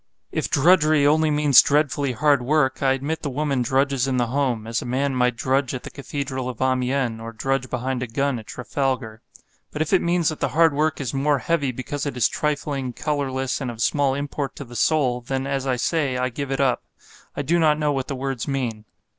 If drudgery only means dreadfully hard work, I admit the woman drudges in the home, as a man might drudge at the Cathedral of Amiens or drudge behind a gun at Trafalgar. But if it means that the hard work is more heavy because it is trifling, colorless and of small import to the soul, then as I say, I give it up; I do not know what the words mean.